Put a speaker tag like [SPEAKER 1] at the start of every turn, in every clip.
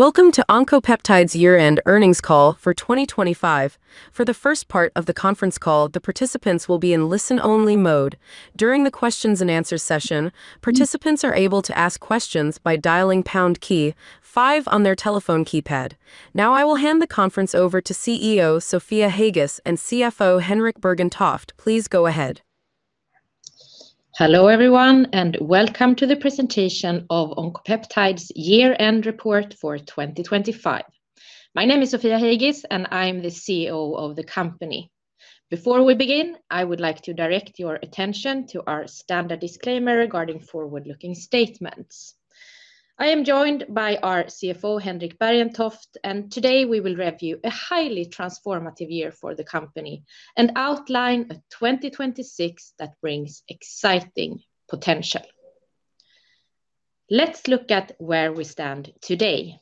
[SPEAKER 1] Welcome to Oncopeptides year-end earnings call for 2025. For the first part of the conference call, the participants will be in listen-only mode. During the questions and answers session, participants are able to ask questions by dialing pound key five on their telephone keypad. Now, I will hand the conference over to CEO Sofia Heigis and CFO Henrik Bergentoft. Please go ahead.
[SPEAKER 2] Hello, everyone, and welcome to the presentation of Oncopeptides year-end report for 2025. My name is Sofia Heigis, and I'm the CEO of the company. Before we begin, I would like to direct your attention to our standard disclaimer regarding forward-looking statements. I am joined by our CFO, Henrik Bergentoft, and today we will review a highly transformative year for the company and outline a 2026 that brings exciting potential. Let's look at where we stand today.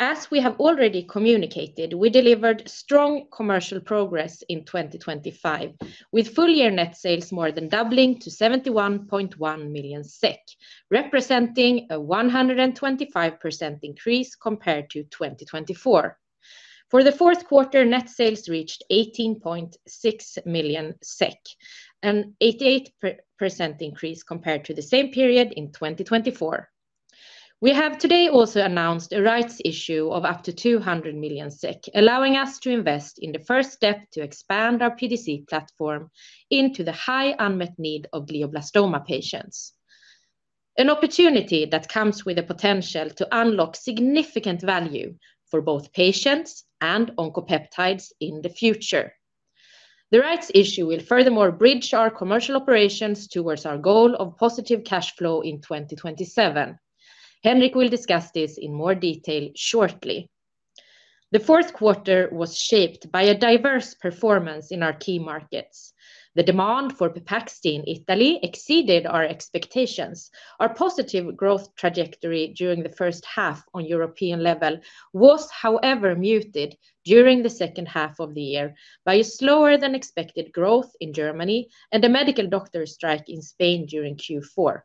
[SPEAKER 2] As we have already communicated, we delivered strong commercial progress in 2025, with full year net sales more than doubling to 71.1 million SEK, representing a 125% increase compared to 2024. For the fourth quarter, net sales reached 18.6 million SEK, an 88% increase compared to the same period in 2024. We have today also announced a rights issue of up to 200 million SEK, allowing us to invest in the first step to expand our PDC platform into the high unmet need of glioblastoma patients. An opportunity that comes with the potential to unlock significant value for both patients and Oncopeptides in the future. The rights issue will furthermore bridge our commercial operations towards our goal of positive cash flow in 2027. Henrik will discuss this in more detail shortly. The fourth quarter was shaped by a diverse performance in our key markets. The demand for Pepaxto in Italy exceeded our expectations. Our positive growth trajectory during the first half on European level was, however, muted during the second half of the year by a slower than expected growth in Germany and a medical doctor strike in Spain during Q4.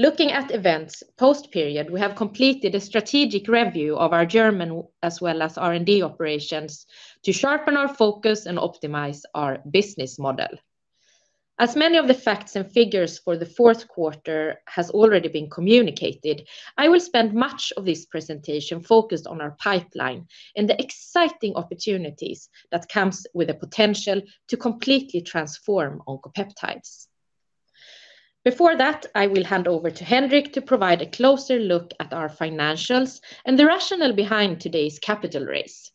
[SPEAKER 2] Looking at events post-period, we have completed a strategic review of our German as well as R&D operations, to sharpen our focus and optimize our business model. As many of the facts and figures for the fourth quarter has already been communicated, I will spend much of this presentation focused on our pipeline and the exciting opportunities that comes with the potential to completely transform Oncopeptides. Before that, I will hand over to Henrik to provide a closer look at our financials and the rationale behind today's capital raise.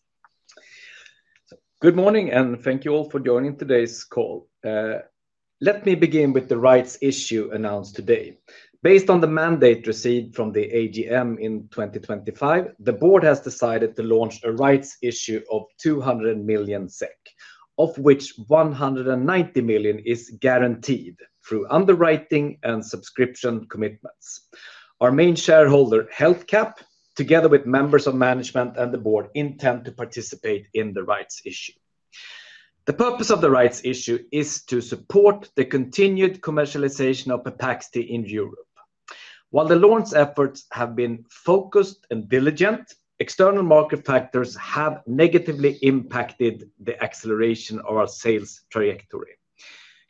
[SPEAKER 3] Good morning, and thank you all for joining today's call. Let me begin with the rights issue announced today. Based on the mandate received from the AGM in 2025, the board has decided to launch a rights issue of 200 million SEK, of which 190 million is guaranteed through underwriting and subscription commitments. Our main shareholder, HealthCap, together with members of management and the board, intend to participate in the rights issue. The purpose of the rights issue is to support the continued commercialization of Pepaxto in Europe. While the launch efforts have been focused and diligent, external market factors have negatively impacted the acceleration of our sales trajectory.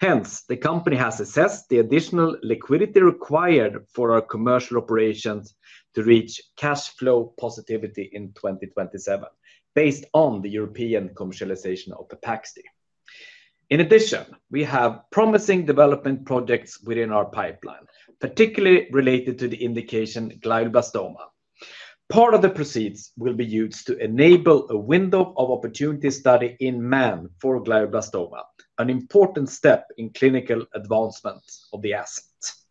[SPEAKER 3] Hence, the company has assessed the additional liquidity required for our commercial operations to reach cash flow positivity in 2027, based on the European commercialization of Pepaxto. In addition, we have promising development projects within our pipeline, particularly related to the indication glioblastoma. Part of the proceeds will be used to enable a window of opportunity study in man for glioblastoma, an important step in clinical advancement of the assets.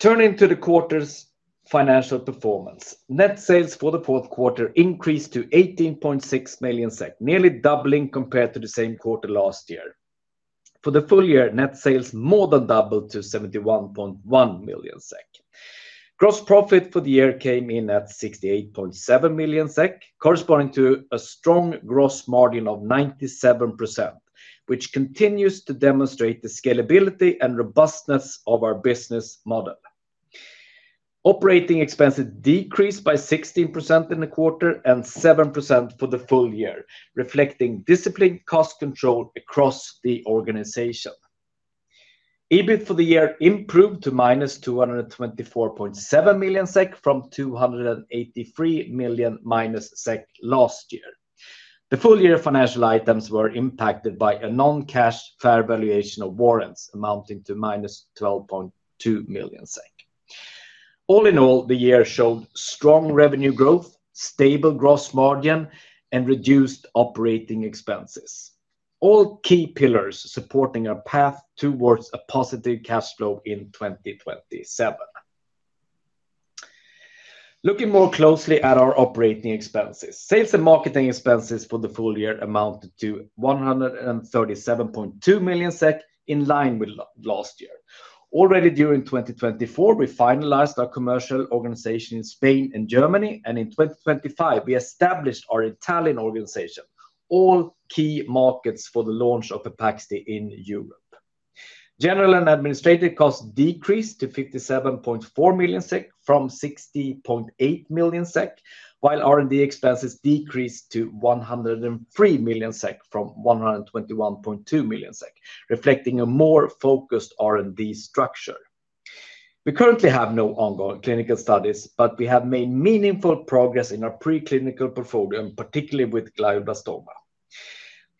[SPEAKER 3] Turning to the quarter's financial performance. Net sales for the fourth quarter increased to 18.6 million SEK, nearly doubling compared to the same quarter last year. For the full year, net sales more than doubled to 71.1 million SEK. Gross profit for the year came in at 68.7 million SEK, corresponding to a strong gross margin of 97%, which continues to demonstrate the scalability and robustness of our business model. Operating expenses decreased by 16% in the quarter and 7% for the full year, reflecting disciplined cost control across the organization. EBIT for the year improved to -224.7 million SEK from -283 million last year. The full year financial items were impacted by a non-cash fair valuation of warrants, amounting to -12.2 million SEK. All in all, the year showed strong revenue growth, stable gross margin, and reduced operating expenses, all key pillars supporting our path towards a positive cash flow in 2027. Looking more closely at our operating expenses, sales and marketing expenses for the full year amounted to 137.2 million SEK, in line with last year. Already during 2024, we finalized our commercial organization in Spain and Germany, and in 2025, we established our Italian organization, all key markets for the launch of the Pepaxti in Europe. General and administrative costs decreased to 57.4 million SEK from 60.8 million SEK, while R&D expenses decreased to 103 million SEK from 121.2 million SEK, reflecting a more focused R&D structure. We currently have no ongoing clinical studies, but we have made meaningful progress in our preclinical portfolio, particularly with Glioblastoma.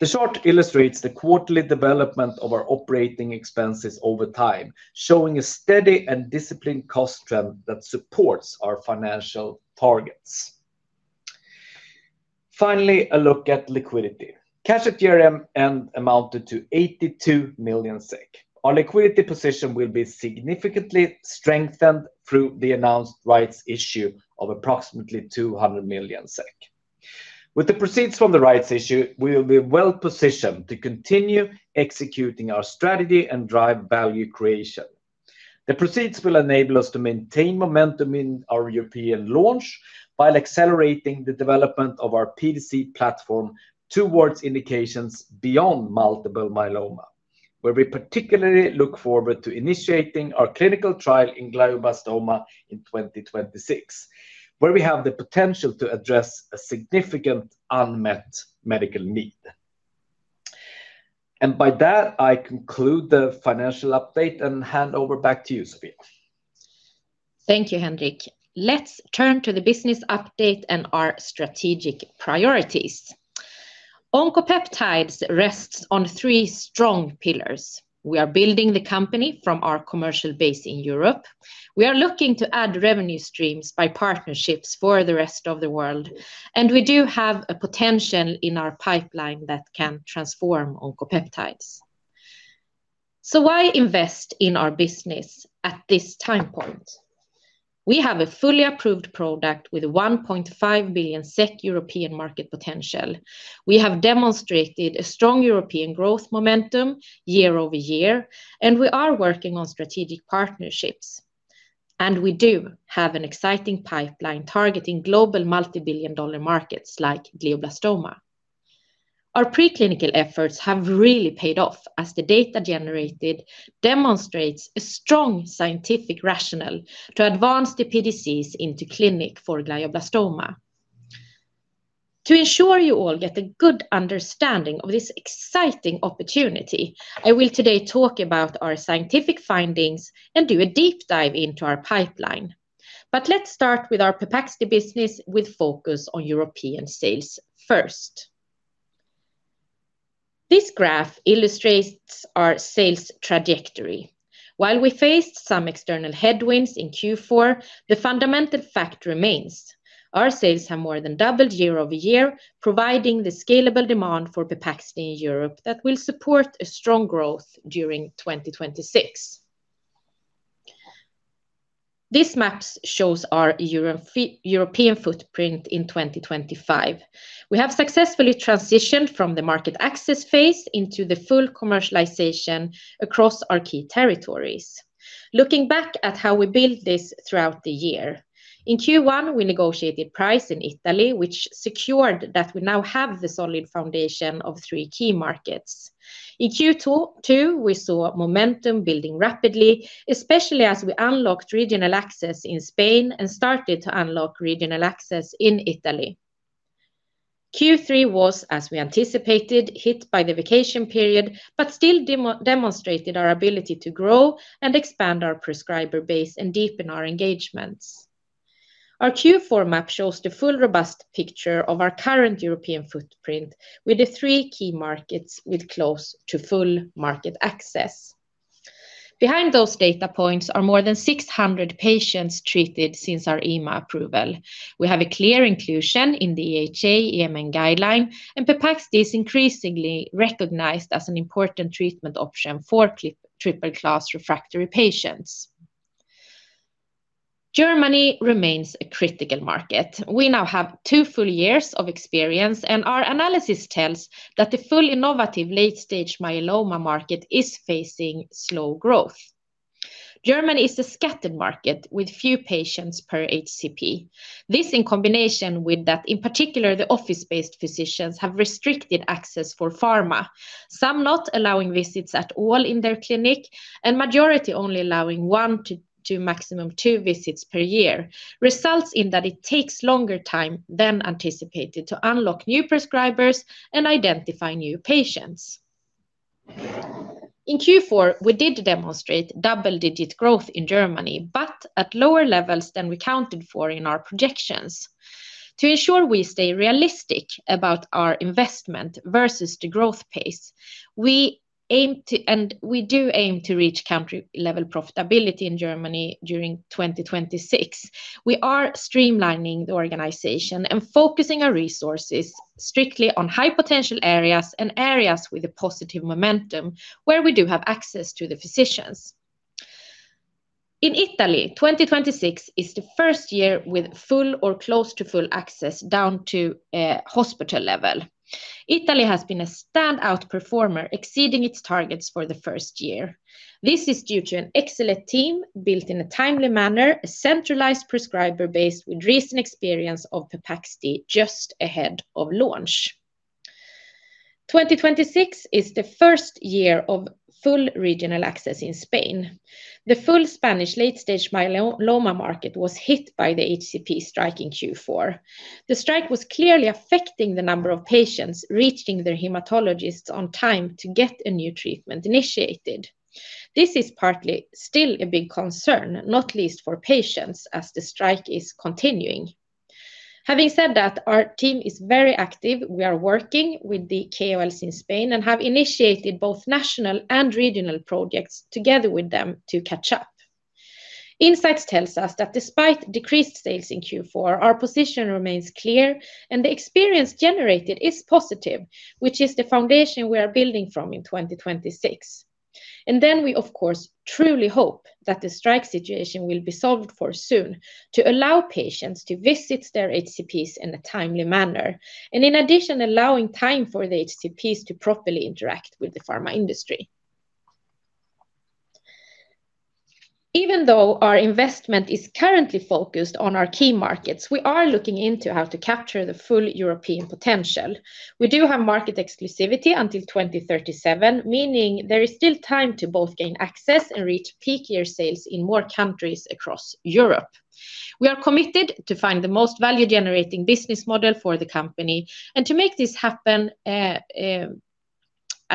[SPEAKER 3] The chart illustrates the quarterly development of our operating expenses over time, showing a steady and disciplined cost trend that supports our financial targets. Finally, a look at liquidity. Cash at year-end amounted to 82 million SEK. Our liquidity position will be significantly strengthened through the announced rights issue of approximately 200 million SEK. With the proceeds from the rights issue, we will be well positioned to continue executing our strategy and drive value creation. The proceeds will enable us to maintain momentum in our European launch, while accelerating the development of our PDC platform towards indications beyond multiple myeloma, where we particularly look forward to initiating our clinical trial in glioblastoma in 2026, where we have the potential to address a significant unmet medical need. By that, I conclude the financial update and hand over back to you, Sofia.
[SPEAKER 2] Thank you, Henrik. Let's turn to the business update and our strategic priorities. Oncopeptides rests on three strong pillars. We are building the company from our commercial base in Europe. We are looking to add revenue streams by partnerships for the rest of the world, and we do have a potential in our pipeline that can transform Oncopeptides. So why invest in our business at this time point? We have a fully approved product with a 1.5 billion SEK European market potential. We have demonstrated a strong European growth momentum year-over-year, and we are working on strategic partnerships, and we do have an exciting pipeline targeting global multibillion-dollar markets like glioblastoma. Our preclinical efforts have really paid off as the data generated demonstrates a strong scientific rationale to advance the PDCs into clinic for glioblastoma. To ensure you all get a good understanding of this exciting opportunity, I will today talk about our scientific findings and do a deep dive into our pipeline. But let's start with our Pepaxto business with focus on European sales first. This graph illustrates our sales trajectory. While we faced some external headwinds in Q4, the fundamental fact remains, our sales have more than doubled year-over-year, providing the scalable demand for Pepaxto in Europe that will support a strong growth during 2026. This map shows our European footprint in 2025. We have successfully transitioned from the market access phase into the full commercialization across our key territories. Looking back at how we built this throughout the year, in Q1, we negotiated price in Italy, which secured that we now have the solid foundation of three key markets. In Q2, too, we saw momentum building rapidly, especially as we unlocked regional access in Spain and started to unlock regional access in Italy. Q3 was, as we anticipated, hit by the vacation period, but still demonstrated our ability to grow and expand our prescriber base and deepen our engagements. Our Q4 map shows the full, robust picture of our current European footprint with the three key markets with close to full market access. Behind those data points are more than 600 patients treated since our EMA approval. We have a clear inclusion in the EHA-EMN guideline, and Pepaxto is increasingly recognized as an important treatment option for triple-class refractory patients. Germany remains a critical market. We now have two full years of experience, and our analysis tells that the full innovative late-stage myeloma market is facing slow growth. Germany is a scattered market with few patients per HCP. This, in combination with that, in particular, the office-based physicians have restricted access for pharma, some not allowing visits at all in their clinic, and majority only allowing 1-2, maximum two visits per year, results in that it takes longer time than anticipated to unlock new prescribers and identify new patients. In Q4, we did demonstrate double-digit growth in Germany, but at lower levels than we counted for in our projections. To ensure we stay realistic about our investment versus the growth pace, we aim to, and we do aim to reach country-level profitability in Germany during 2026. We are streamlining the organization and focusing our resources strictly on high-potential areas and areas with a positive momentum where we do have access to the physicians. In Italy, 2026 is the first year with full or close to full access down to hospital level. Italy has been a standout performer, exceeding its targets for the first year. This is due to an excellent team built in a timely manner, a centralized prescriber base with recent experience of Pepaxto just ahead of launch. 2026 is the first year of full regional access in Spain. The full Spanish late-stage myeloma market was hit by the HCP strike in Q4. The strike was clearly affecting the number of patients reaching their hematologists on time to get a new treatment initiated. This is partly still a big concern, not least for patients, as the strike is continuing. Having said that, our team is very active. We are working with the KOLs in Spain and have initiated both national and regional projects together with them to catch up. Insights tells us that despite decreased sales in Q4, our position remains clear, and the experience generated is positive, which is the foundation we are building from in 2026. And then we, of course, truly hope that the strike situation will be solved for soon to allow patients to visit their HCPs in a timely manner, and in addition, allowing time for the HCPs to properly interact with the pharma industry. Even though our investment is currently focused on our key markets, we are looking into how to capture the full European potential. We do have market exclusivity until 2037, meaning there is still time to both gain access and reach peak year sales in more countries across Europe. We are committed to find the most value-generating business model for the company and to make this happen, as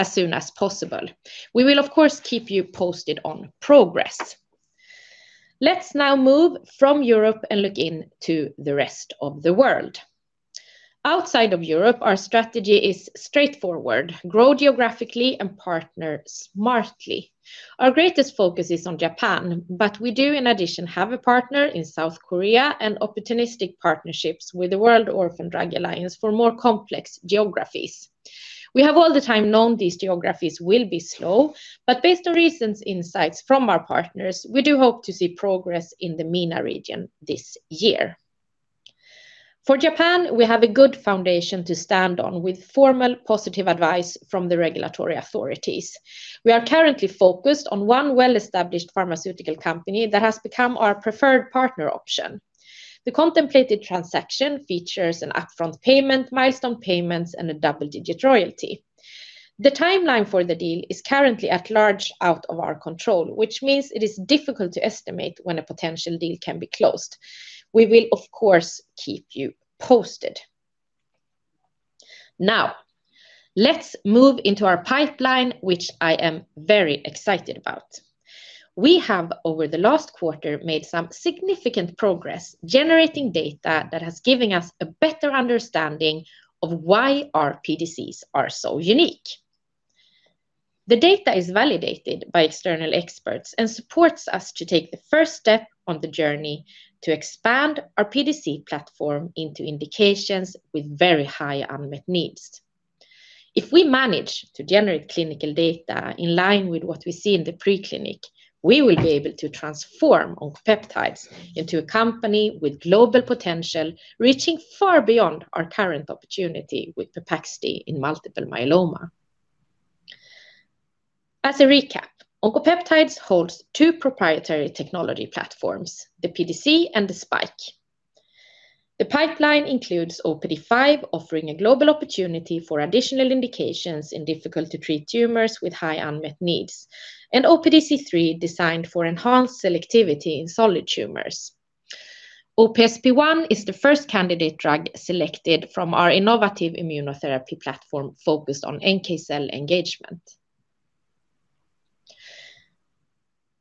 [SPEAKER 2] soon as possible. We will, of course, keep you posted on progress. Let's now move from Europe and look into the rest of the world. Outside of Europe, our strategy is straightforward: grow geographically and partner smartly. Our greatest focus is on Japan, but we do in addition, have a partner in South Korea and opportunistic partnerships with the World Orphan Drug Alliance for more complex geographies. We have all the time known these geographies will be slow, but based on recent insights from our partners, we do hope to see progress in the MENA region this year. For Japan, we have a good foundation to stand on with formal positive advice from the regulatory authorities. We are currently focused on one well-established pharmaceutical company that has become our preferred partner option. The contemplated transaction features an upfront payment, milestone payments, and a double-digit royalty. The timeline for the deal is currently at large out of our control, which means it is difficult to estimate when a potential deal can be closed. We will, of course, keep you posted. Now, let's move into our pipeline, which I am very excited about. We have, over the last quarter, made some significant progress, generating data that has given us a better understanding of why our PDCs are so unique. The data is validated by external experts and supports us to take the first step on the journey to expand our PDC platform into indications with very high unmet needs. If we manage to generate clinical data in line with what we see in the preclinical, we will be able to transform Oncopeptides into a company with global potential, reaching far beyond our current opportunity with Pepaxti in multiple myeloma. As a recap, Oncopeptides holds two proprietary technology platforms, the PDC and the SPiKE. The pipeline includes OPD5, offering a global opportunity for additional indications in difficult to treat tumors with high unmet needs, and OPDC3, designed for enhanced selectivity in solid tumors. OPSP1 is the first candidate drug selected from our innovative immunotherapy platform focused on NK cell engagement.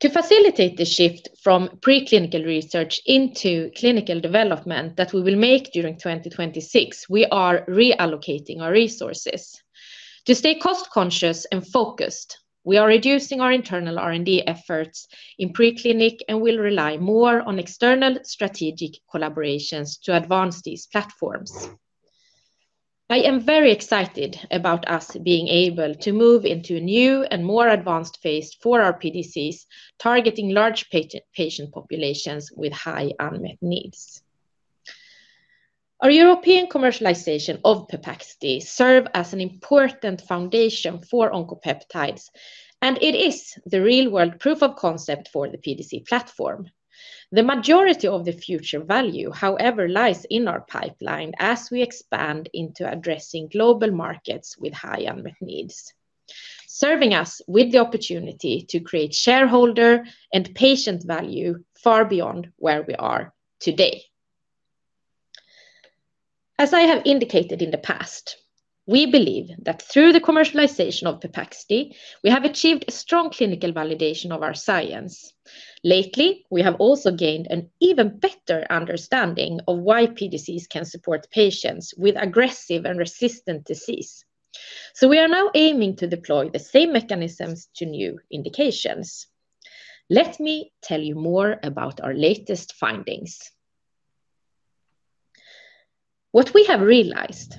[SPEAKER 2] To facilitate the shift from preclinical research into clinical development that we will make during 2026, we are reallocating our resources. To stay cost-conscious and focused, we are reducing our internal R&D efforts in preclinical and will rely more on external strategic collaborations to advance these platforms. I am very excited about us being able to move into a new and more advanced phase for our PDCs, targeting large patient populations with high unmet needs. Our European commercialization of Pepaxti serves as an important foundation for Oncopeptides, and it is the real-world proof of concept for the PDC platform. The majority of the future value, however, lies in our pipeline as we expand into addressing global markets with high unmet needs, serving us with the opportunity to create shareholder and patient value far beyond where we are today. As I have indicated in the past, we believe that through the commercialization of Pepaxti, we have achieved a strong clinical validation of our science. Lately, we have also gained an even better understanding of why PDCs can support patients with aggressive and resistant disease. So we are now aiming to deploy the same mechanisms to new indications. Let me tell you more about our latest findings. What we have realized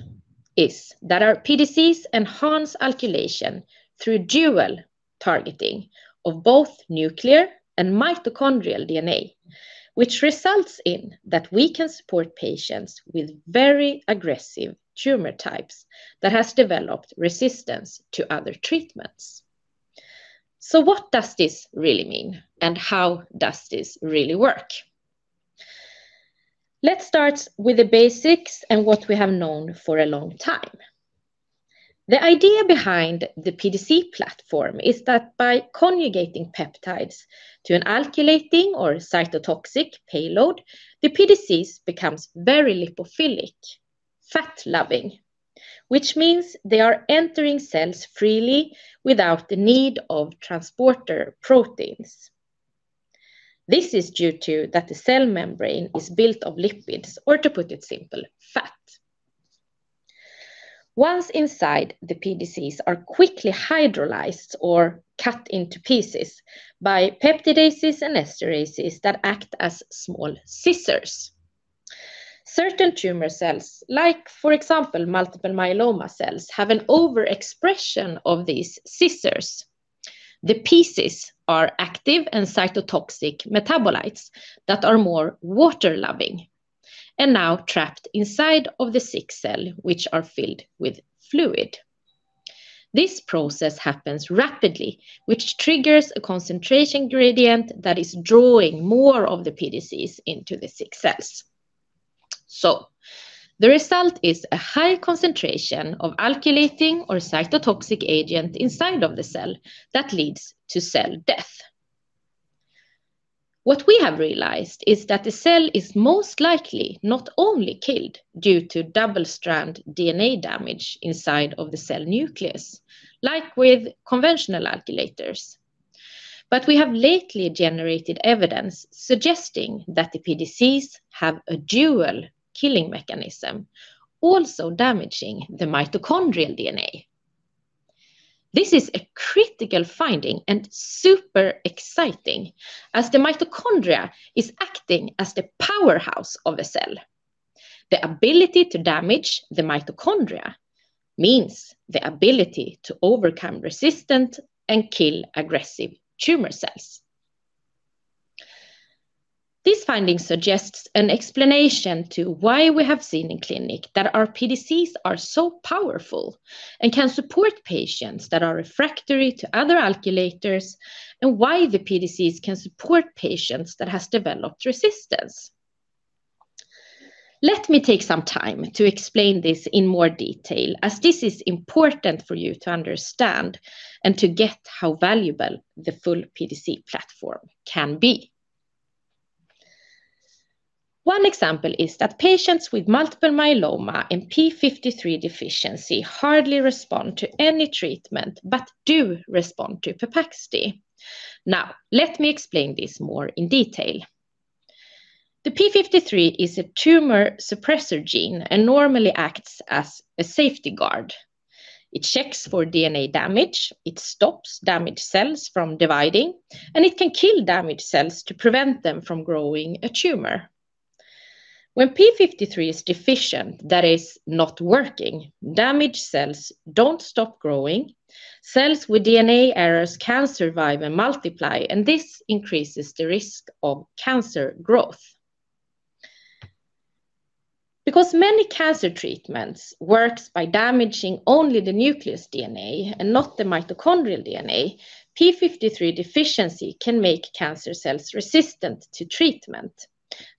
[SPEAKER 2] is that our PDCs enhance alkylation through dual targeting of both nuclear and mitochondrial DNA, which results in that we can support patients with very aggressive tumor types that has developed resistance to other treatments. So what does this really mean, and how does this really work?... Let's start with the basics and what we have known for a long time. The idea behind the PDC platform is that by conjugating peptides to an alkylating or cytotoxic payload, the PDCs becomes very lipophilic, fat loving, which means they are entering cells freely without the need of transporter proteins. This is due to that the cell membrane is built of lipids, or to put it simple, fat. Once inside, the PDCs are quickly hydrolyzed or cut into pieces by peptidases and esterases that act as small scissors. Certain tumor cells, like for example, multiple myeloma cells, have an overexpression of these scissors. The pieces are active and cytotoxic metabolites that are more water loving and now trapped inside of the sick cell, which are filled with fluid. This process happens rapidly, which triggers a concentration gradient that is drawing more of the PDCs into the sick cells. So the result is a high concentration of alkylating or cytotoxic agent inside of the cell that leads to cell death. What we have realized is that the cell is most likely not only killed due to double-strand DNA damage inside of the cell nucleus, like with conventional alkylators. But we have lately generated evidence suggesting that the PDCs have a dual killing mechanism, also damaging the mitochondrial DNA. This is a critical finding and super exciting, as the mitochondria is acting as the powerhouse of a cell. The ability to damage the mitochondria means the ability to overcome resistant and kill aggressive tumor cells. These findings suggests an explanation to why we have seen in clinic that our PDCs are so powerful and can support patients that are refractory to other alkylators, and why the PDCs can support patients that has developed resistance. Let me take some time to explain this in more detail, as this is important for you to understand and to get how valuable the full PDC platform can be. One example is that patients with multiple myeloma and P53 deficiency hardly respond to any treatment, but do respond to Pepaxti. Now, let me explain this more in detail. The P53 is a tumor suppressor gene and normally acts as a safety guard. It checks for DNA damage, it stops damaged cells from dividing, and it can kill damaged cells to prevent them from growing a tumor. When p53 is deficient, that is not working, damaged cells don't stop growing. Cells with DNA errors can survive and multiply, and this increases the risk of cancer growth. Because many cancer treatments works by damaging only the nucleus DNA and not the mitochondrial DNA, p53 deficiency can make cancer cells resistant to treatment,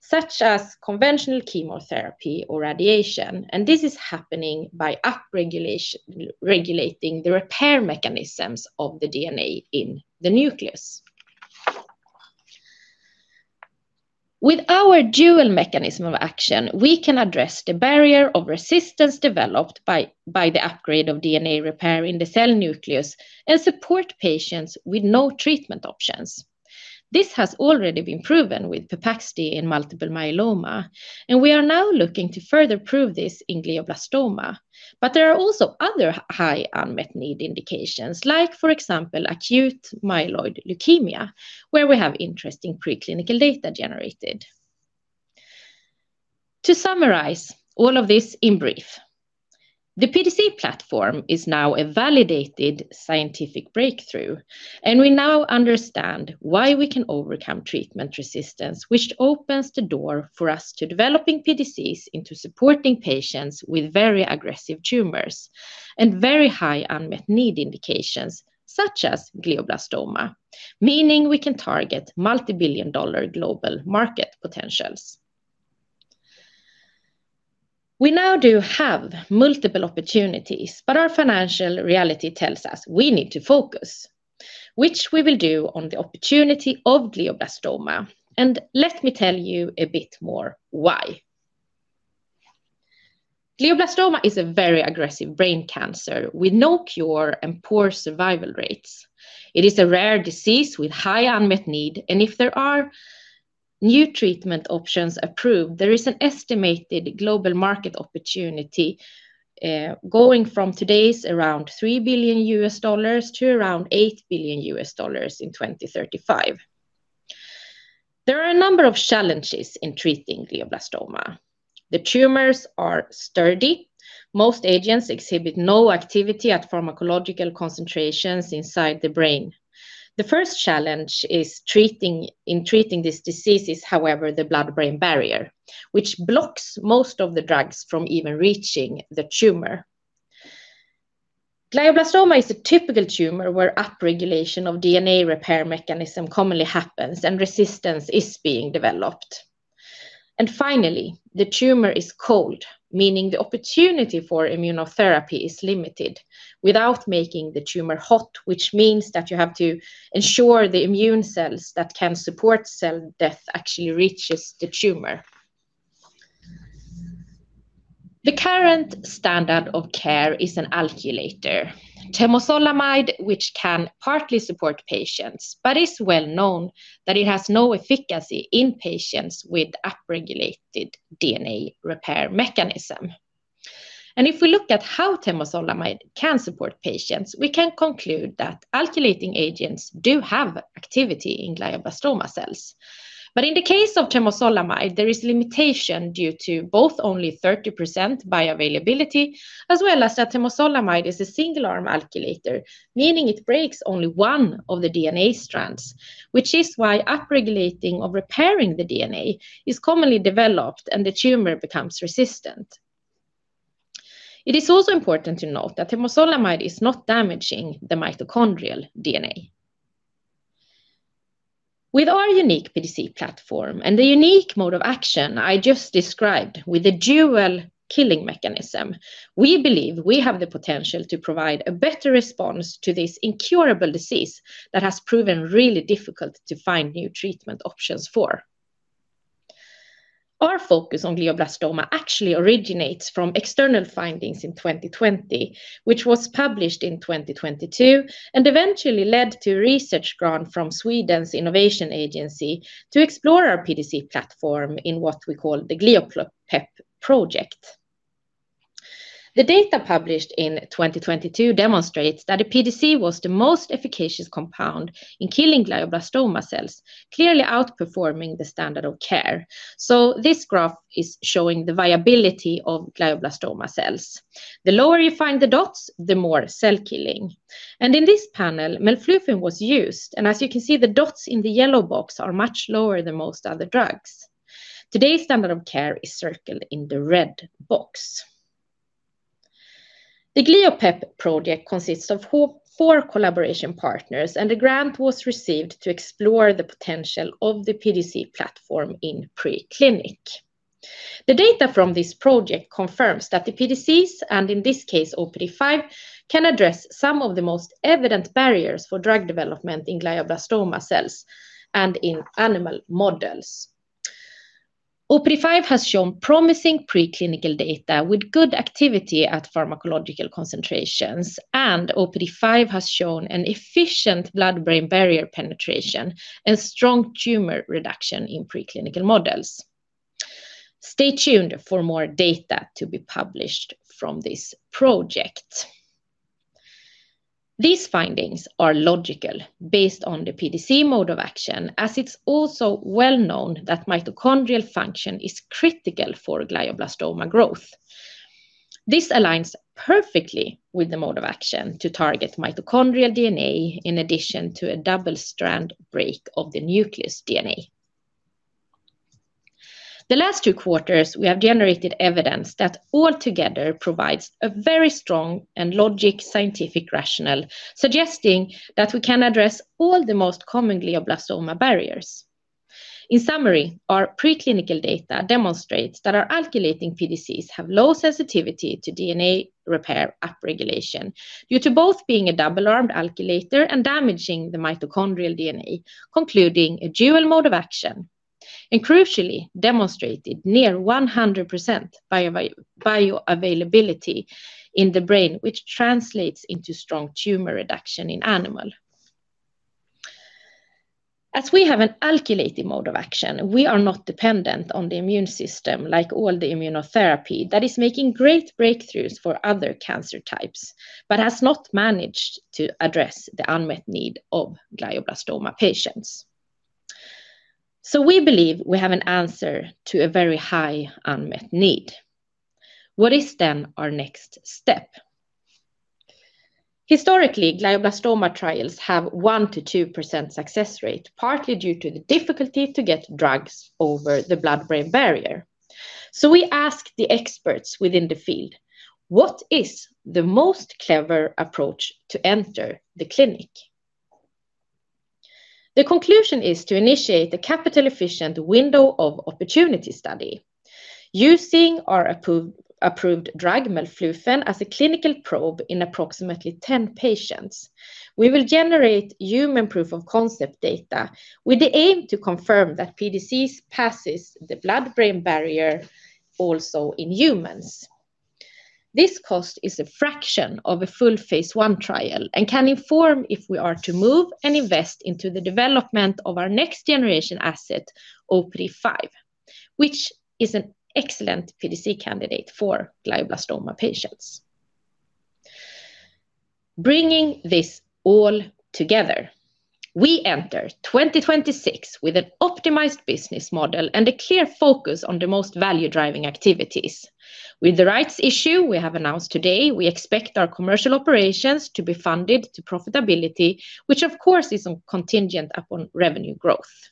[SPEAKER 2] such as conventional chemotherapy or radiation, and this is happening by upregulation, regulating the repair mechanisms of the DNA in the nucleus. With our dual mechanism of action, we can address the barrier of resistance developed by the upgrade of DNA repair in the cell nucleus and support patients with no treatment options. This has already been proven with Pepaxti in multiple myeloma, and we are now looking to further prove this in glioblastoma. But there are also other high unmet need indications, like for example, acute myeloid leukemia, where we have interesting preclinical data generated. To summarize all of this in brief, the PDC platform is now a validated scientific breakthrough, and we now understand why we can overcome treatment resistance, which opens the door for us to developing PDCs into supporting patients with very aggressive tumors and very high unmet need indications, such as glioblastoma, meaning we can target multibillion-dollar global market potentials. We now do have multiple opportunities, but our financial reality tells us we need to focus, which we will do on the opportunity of glioblastoma, and let me tell you a bit more why. Glioblastoma is a very aggressive brain cancer with no cure and poor survival rates. It is a rare disease with high unmet need, and if there are new treatment options approved, there is an estimated global market opportunity going from today's around $3 billion to around $8 billion in 2035. There are a number of challenges in treating glioblastoma. The tumors are sturdy. Most agents exhibit no activity at pharmacological concentrations inside the brain. The first challenge in treating this disease is, however, the blood-brain barrier, which blocks most of the drugs from even reaching the tumor. Glioblastoma is a typical tumor where upregulation of DNA repair mechanism commonly happens, and resistance is being developed. And finally, the tumor is cold, meaning the opportunity for immunotherapy is limited without making the tumor hot, which means that you have to ensure the immune cells that can support cell death actually reaches the tumor. The current standard of care is an alkylator, temozolomide, which can partly support patients, but it's well known that it has no efficacy in patients with upregulated DNA repair mechanism. If we look at how temozolomide can support patients, we can conclude that alkylating agents do have activity in glioblastoma cells. In the case of temozolomide, there is limitation due to both only 30% bioavailability, as well as that temozolomide is a single arm alkylator, meaning it breaks only one of the DNA strands, which is why upregulating or repairing the DNA is commonly developed and the tumor becomes resistant. It is also important to note that temozolomide is not damaging the mitochondrial DNA. With our unique PDC platform and the unique mode of action I just described with a dual killing mechanism, we believe we have the potential to provide a better response to this incurable disease that has proven really difficult to find new treatment options for. Our focus on glioblastoma actually originates from external findings in 2020, which was published in 2022, and eventually led to research grant from Sweden's Innovation Agency to explore our PDC platform in what we call the GLIOPEP project. The data published in 2022 demonstrates that a PDC was the most efficacious compound in killing glioblastoma cells, clearly outperforming the standard of care. This graph is showing the viability of glioblastoma cells. The lower you find the dots, the more cell killing. In this panel, melphalan was used, and as you can see, the dots in the yellow box are much lower than most other drugs. Today's standard of care is circled in the red box. The GLIOPEP project consists of four collaboration partners, and the grant was received to explore the potential of the PDC platform in preclinical. The data from this project confirms that the PDCs, and in this case, OPD5, can address some of the most evident barriers for drug development in glioblastoma cells and in animal models. OPD5 has shown promising preclinical data with good activity at pharmacological concentrations, and OPD5 has shown an efficient blood-brain barrier penetration and strong tumor reduction in preclinical models. Stay tuned for more data to be published from this project. These findings are logical based on the PDC mode of action, as it's also well known that mitochondrial function is critical for glioblastoma growth. This aligns perfectly with the mode of action to target mitochondrial DNA in addition to a double-strand break of the nucleus DNA. The last two quarters, we have generated evidence that altogether provides a very strong and logical scientific rationale, suggesting that we can address all the most common glioblastoma barriers. In summary, our preclinical data demonstrates that our alkylating PDCs have low sensitivity to DNA repair upregulation due to both being a double-armed alkylator and damaging the mitochondrial DNA, concluding a dual mode of action, and crucially, demonstrated near 100% bioavailability in the brain, which translates into strong tumor reduction in animals. As we have an alkylating mode of action, we are not dependent on the immune system, like all the immunotherapy that is making great breakthroughs for other cancer types, but has not managed to address the unmet need of glioblastoma patients. So we believe we have an answer to a very high unmet need. What is then our next step? Historically, glioblastoma trials have 1%-2% success rate, partly due to the difficulty to get drugs over the blood-brain barrier. So we ask the experts within the field, what is the most clever approach to enter the clinic? The conclusion is to initiate a capital efficient window of opportunity study using our approved, approved drug, melphalan, as a clinical probe in approximately 10 patients. We will generate human proof of concept data with the aim to confirm that PDCs passes the blood-brain barrier also in humans. This cost is a fraction of a full phase 1 trial and can inform if we are to move and invest into the development of our next generation asset, OPD5, which is an excellent PDC candidate for glioblastoma patients. Bringing this all together, we enter 2026 with an optimized business model and a clear focus on the most value-driving activities. With the rights issue we have announced today, we expect our commercial operations to be funded to profitability, which, of course, is contingent upon revenue growth.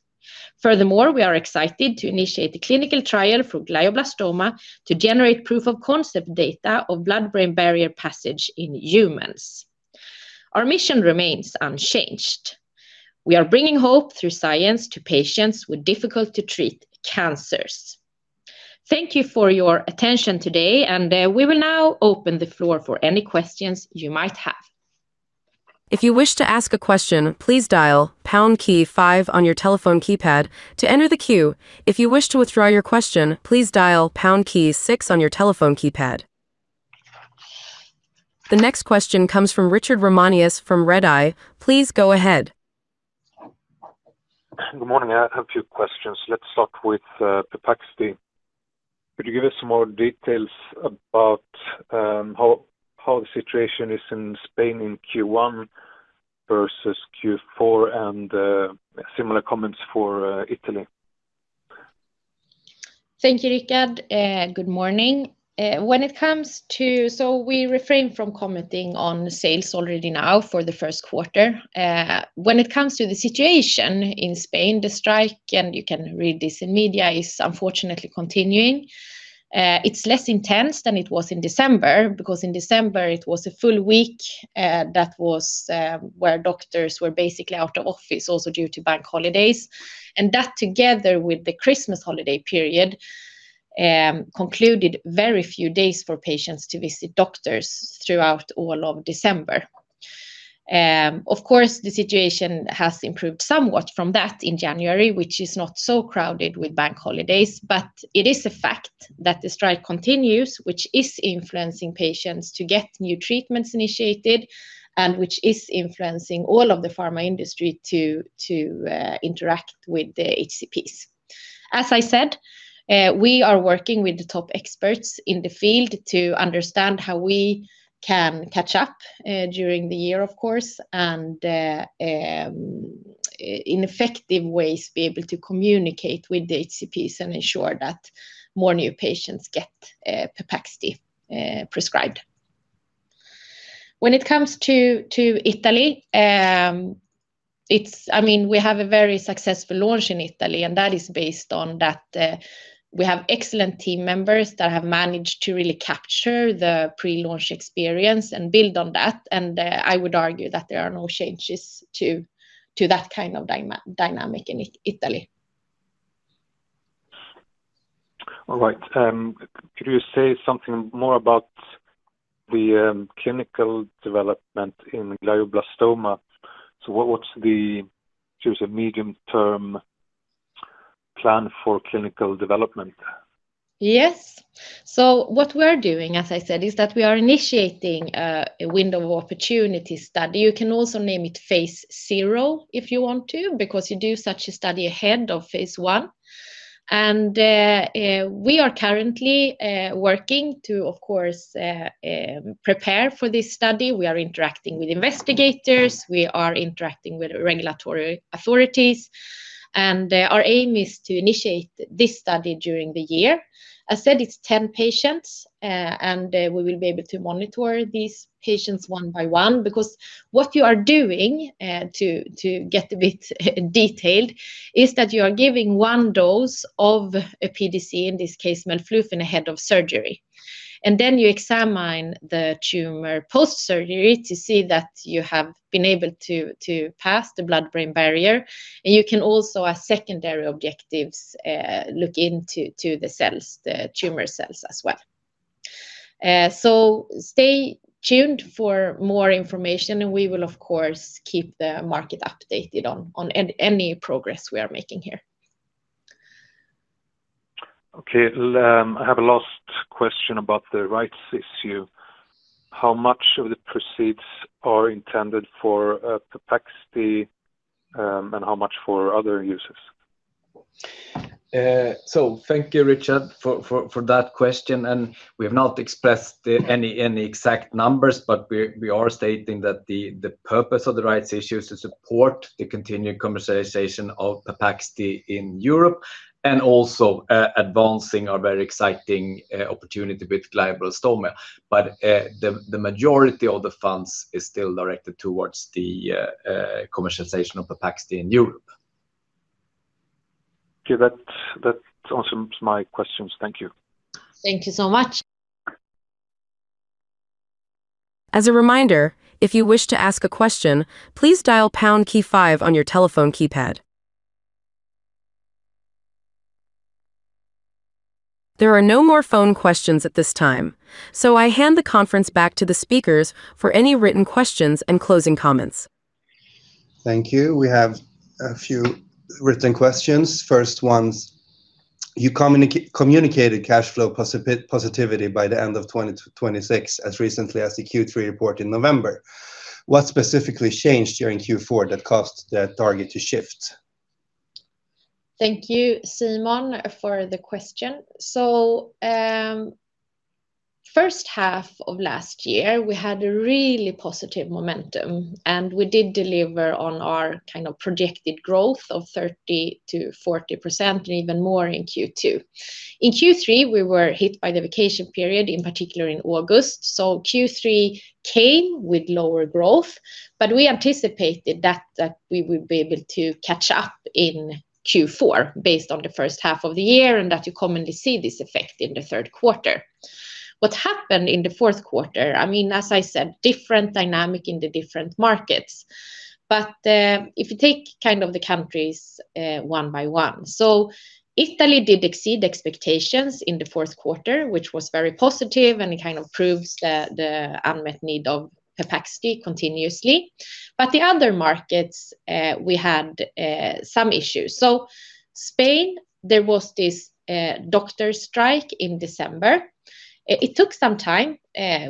[SPEAKER 2] Furthermore, we are excited to initiate the clinical trial for glioblastoma to generate proof of concept data of blood-brain barrier passage in humans. Our mission remains unchanged. We are bringing hope through science to patients with difficult to treat cancers. Thank you for your attention today, and, we will now open the floor for any questions you might have.
[SPEAKER 1] If you wish to ask a question, please dial pound key five on your telephone keypad to enter the queue. If you wish to withdraw your question, please dial pound key six on your telephone keypad. The next question comes from Richard Ramanius from RedEye. Please go ahead.
[SPEAKER 4] Good morning. I have a few questions. Let's start with Pepaxti. Could you give us some more details about how the situation is in Spain in Q1 versus Q4, and similar comments for Italy?
[SPEAKER 2] Thank you, Richard, and good morning. When it comes to... So we refrain from commenting on sales already now for the first quarter. When it comes to the situation in Spain, the strike, and you can read this in media, is unfortunately continuing. It's less intense than it was in December, because in December it was a full week, that was where doctors were basically out of office, also due to bank holidays. And that, together with the Christmas holiday period, concluded very few days for patients to visit doctors throughout all of December. Of course, the situation has improved somewhat from that in January, which is not so crowded with bank holidays. But it is a fact that the strike continues, which is influencing patients to get new treatments initiated, and which is influencing all of the pharma industry to interact with the HCPs. As I said, we are working with the top experts in the field to understand how we can catch up during the year, of course, and effective ways be able to communicate with the HCPs and ensure that more new patients get Pepaxti prescribed. When it comes to Italy, I mean, we have a very successful launch in Italy, and that is based on that we have excellent team members that have managed to really capture the pre-launch experience and build on that. And I would argue that there are no changes to that kind of dynamic in Italy.
[SPEAKER 4] All right. Could you say something more about the clinical development in glioblastoma? So what's the medium-term plan for clinical development?
[SPEAKER 2] Yes. So what we're doing, as I said, is that we are initiating a window of opportunity study. You can also name it phase zero if you want to, because you do such a study ahead of phase one. And we are currently working to, of course, prepare for this study. We are interacting with investigators, we are interacting with regulatory authorities, and our aim is to initiate this study during the year. As said, it's 10 patients, and we will be able to monitor these patients one by one. Because what you are doing, to get a bit detailed, is that you are giving one dose of a PDC, in this case, melphalan, ahead of surgery. And then you examine the tumor post-surgery to see that you have been able to pass the blood-brain barrier. You can also, as secondary objectives, look into the cells, the tumor cells as well. Stay tuned for more information, and we will, of course, keep the market updated on any progress we are making here.
[SPEAKER 4] Okay, I have a last question about the rights issue. How much of the proceeds are intended for Pepaxti, and how much for other uses?
[SPEAKER 3] So thank you, Richard, for that question, and we have not expressed any exact numbers, but we are stating that the purpose of the rights issue is to support the continued commercialization of Pepaxti in Europe, and also advancing our very exciting opportunity with glioblastoma. But the majority of the funds is still directed towards the commercialization of Pepaxti in Europe.
[SPEAKER 4] Okay. That answers my questions. Thank you.
[SPEAKER 2] Thank you so much.
[SPEAKER 1] As a reminder, if you wish to ask a question, please dial pound key five on your telephone keypad. There are no more phone questions at this time, so I hand the conference back to the speakers for any written questions and closing comments.
[SPEAKER 5] Thank you. We have a few written questions. First one is, you communicated cash flow positivity by the end of 2026, as recently as the Q3 report in November. What specifically changed during Q4 that caused the target to shift?
[SPEAKER 2] Thank you for the question. So, first half of last year, we had a really positive momentum, and we did deliver on our kind of projected growth of 30%-40%, and even more in Q2. In Q3, we were hit by the vacation period, in particular in August, so Q3 came with lower growth. But we anticipated that, that we would be able to catch up in Q4 based on the first half of the year, and that you commonly see this effect in the third quarter. What happened in the fourth quarter, I mean, as I said, different dynamic in the different markets. But, if you take kind of the countries, one by one. So Italy did exceed expectations in the fourth quarter, which was very positive and it kind of proves the, the unmet need of Pepaxti continuously. But the other markets, we had some issues. So Spain, there was this doctor strike in December. It took some time,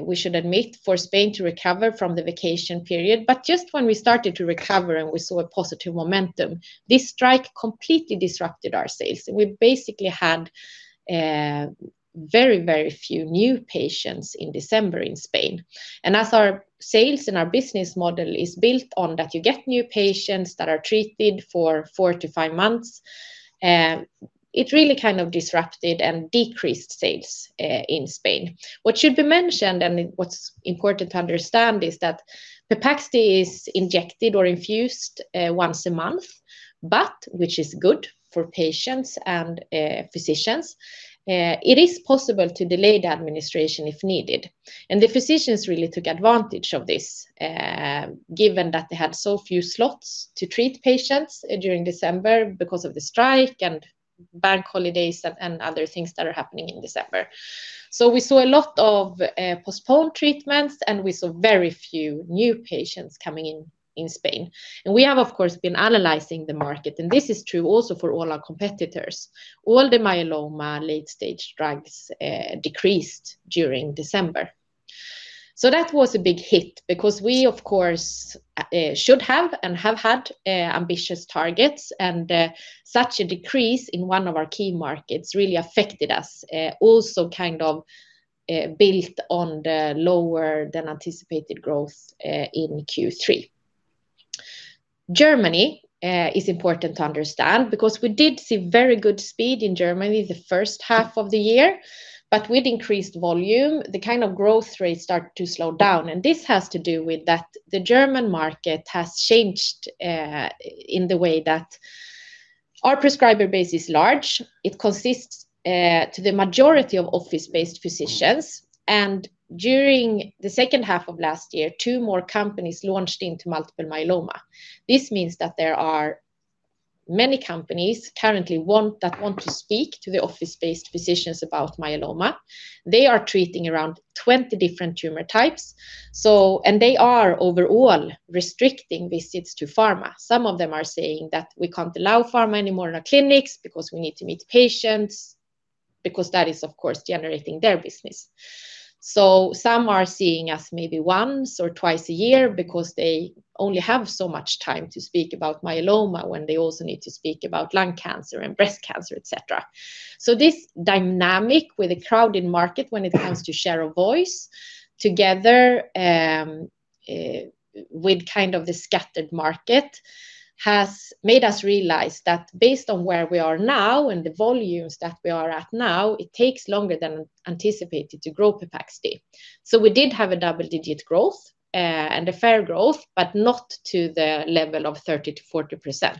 [SPEAKER 2] we should admit, for Spain to recover from the vacation period, but just when we started to recover and we saw a positive momentum, this strike completely disrupted our sales. We basically had very, very few new patients in December in Spain. And as our sales and our business model is built on that you get new patients that are treated for 4-5 months, it really kind of disrupted and decreased sales in Spain. What should be mentioned, and what's important to understand, is that Pepaxto is injected or infused once a month, but which is good for patients and physicians. It is possible to delay the administration if needed, and the physicians really took advantage of this, given that they had so few slots to treat patients during December because of the strike and bank holidays and other things that are happening in December. So we saw a lot of postponed treatments, and we saw very few new patients coming in in Spain. And we have, of course, been analyzing the market, and this is true also for all our competitors. All the myeloma late-stage drugs decreased during December. So that was a big hit because we, of course, should have and have had ambitious targets. And such a decrease in one of our key markets really affected us, also kind of built on the lower than anticipated growth in Q3. Germany is important to understand because we did see very good speed in Germany the first half of the year, but with increased volume, the kind of growth rate started to slow down. And this has to do with that the German market has changed in the way that our prescriber base is large. It consists to the majority of office-based physicians, and during the second half of last year, two more companies launched into multiple myeloma. This means that there are many companies currently want to speak to the office-based physicians about myeloma. They are treating around 20 different tumor types, so... and they are overall restricting visits to pharma. Some of them are saying that we can't allow pharma anymore in our clinics because we need to meet patients, because that is, of course, generating their business. So some are seeing us maybe once or twice a year because they only have so much time to speak about myeloma, when they also need to speak about lung cancer and breast cancer, et cetera. So this dynamic with a crowded market when it comes to share a voice together, with kind of the scattered market, has made us realize that based on where we are now and the volumes that we are at now, it takes longer than anticipated to grow Pepaxto. So we did have a double-digit growth, and a fair growth, but not to the level of 30%-40%.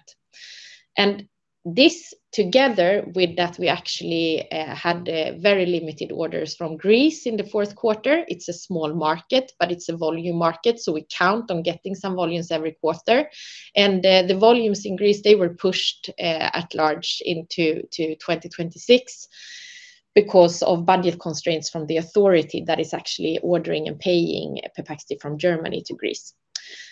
[SPEAKER 2] And this, together with that, we actually had very limited orders from Greece in the fourth quarter. It's a small market, but it's a volume market, so we count on getting some volumes every quarter. The volumes in Greece, they were pushed at large into 2026 because of budget constraints from the authority that is actually ordering and paying Pepaxto from Germany to Greece.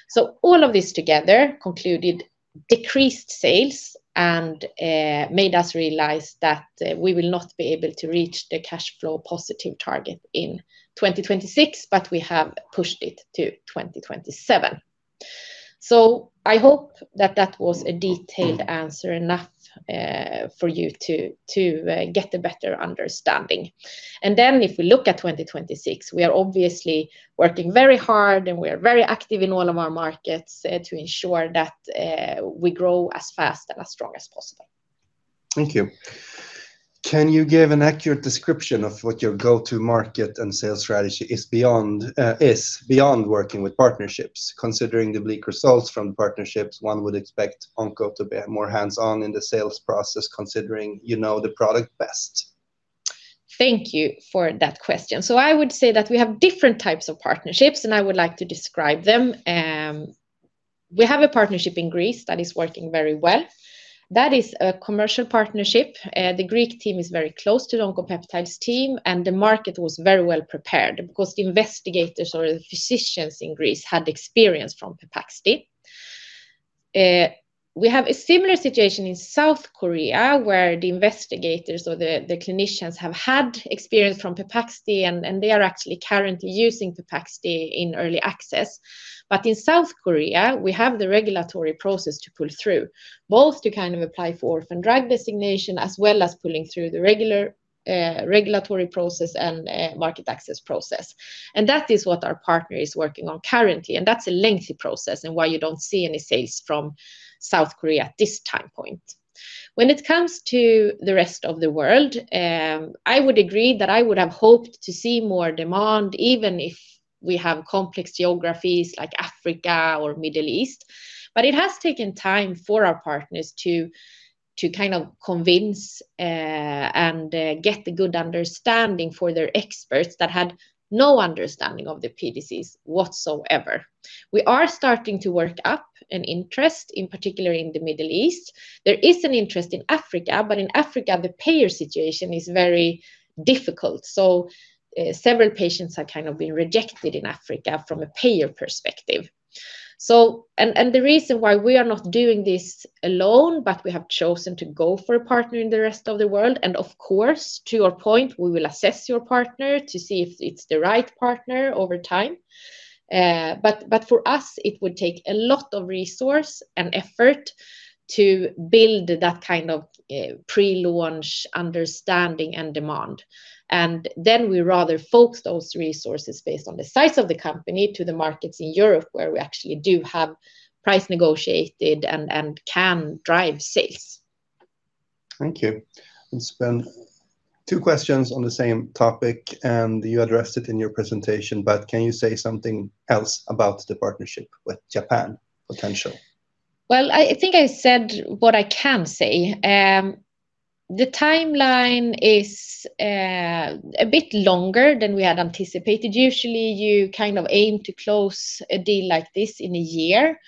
[SPEAKER 2] So all of this together concluded decreased sales and made us realize that we will not be able to reach the cash flow positive target in 2026, but we have pushed it to 2027. So I hope that that was a detailed answer enough for you to get a better understanding. And then if we look at 2026, we are obviously working very hard, and we are very active in all of our markets to ensure that we grow as fast and as strong as possible.
[SPEAKER 5] Thank you. Can you give an accurate description of what your go-to-market and sales strategy is beyond working with partnerships? Considering the bleak results from partnerships, one would expect Onco to be more hands-on in the sales process, considering you know the product best.
[SPEAKER 2] Thank you for that question. So I would say that we have different types of partnerships, and I would like to describe them. We have a partnership in Greece that is working very well. That is a commercial partnership. The Greek team is very close to the Oncopeptides team, and the market was very well prepared because the investigators or the physicians in Greece had experience from Pepaxto. We have a similar situation in South Korea, where the investigators or the clinicians have had experience from Pepaxto, and they are actually currently using Pepaxto in early access. But in South Korea, we have the regulatory process to pull through, both to kind of apply for orphan drug designation, as well as pulling through the regular regulatory process and market access process. And that is what our partner is working on currently, and that's a lengthy process and why you don't see any sales from South Korea at this time point. When it comes to the rest of the world, I would agree that I would have hoped to see more demand, even if we have complex geographies like Africa or Middle East, but it has taken time for our partners to kind of convince and get the good understanding for their experts that had no understanding of the PDCs whatsoever. We are starting to work up an interest, in particular in the Middle East. There is an interest in Africa, but in Africa, the payer situation is very difficult. So, several patients have kind of been rejected in Africa from a payer perspective. The reason why we are not doing this alone, but we have chosen to go for a partner in the rest of the world, and of course, to your point, we will assess your partner to see if it's the right partner over time. But for us, it would take a lot of resource and effort to build that kind of pre-launch understanding and demand. And then we rather focus those resources based on the size of the company to the markets in Europe, where we actually do have price negotiated and can drive sales.
[SPEAKER 5] Thank you. Sven, two questions on the same topic, and you addressed it in your presentation, but can you say something else about the partnership with Japan potential?
[SPEAKER 2] Well, I think I said what I can say. The timeline is a bit longer than we had anticipated. Usually, you kind of aim to close a deal like this in a year,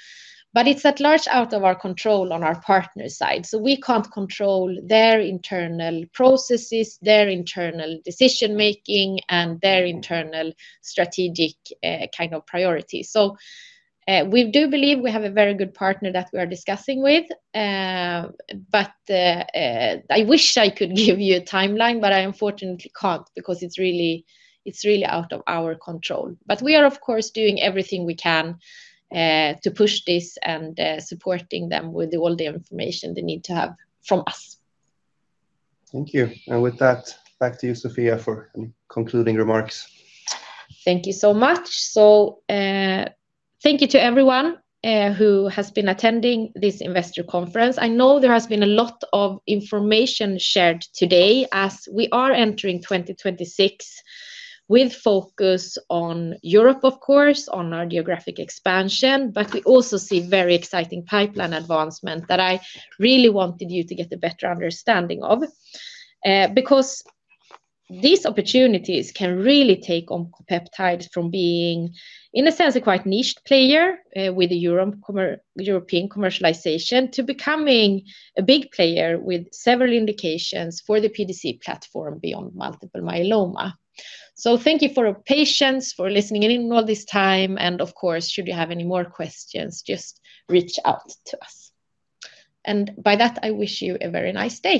[SPEAKER 2] but it's at large out of our control on our partner side. So we can't control their internal processes, their internal decision-making, and their internal strategic kind of priority. So, we do believe we have a very good partner that we are discussing with. But, I wish I could give you a timeline, but I unfortunately can't because it's really, it's really out of our control. But we are, of course, doing everything we can to push this and supporting them with all the information they need to have from us.
[SPEAKER 5] Thank you. With that, back to you, Sofia, for any concluding remarks.
[SPEAKER 2] Thank you so much. So, thank you to everyone who has been attending this investor conference. I know there has been a lot of information shared today as we are entering 2026, with focus on Europe, of course, on our geographic expansion, but we also see very exciting pipeline advancement that I really wanted you to get a better understanding of. Because these opportunities can really take Oncopeptides from being, in a sense, a quite niched player with the European commercialization, to becoming a big player with several indications for the PDC platform beyond multiple myeloma. So thank you for your patience, for listening in all this time, and of course, should you have any more questions, just reach out to us. And by that, I wish you a very nice day!